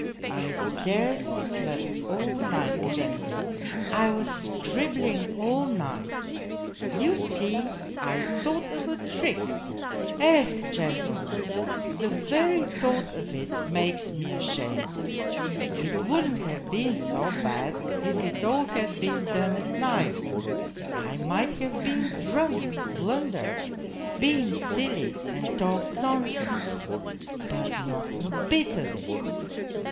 " I scarcely slept all night, gentlemen. I was scribbling all night : you see, I thought of a trick. Ech, gentlemen, the very thought of it makes me ashamed. It wouldn't have been so bad if it all had been done at night I might have been drunk, blun dered, been silly and talked nonsense but not a bit of it